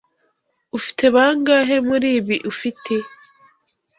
Ufite bangahe muribi ufite?